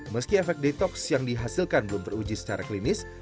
meski efek detoks yang dihasilkan belum beruji secara klinis